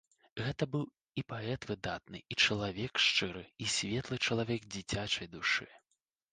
Гэта быў і паэт выдатны, і чалавек шчыры і светлы, чалавек дзіцячай душы.